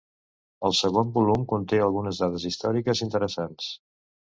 El segon volum conté algunes dades històriques interessants.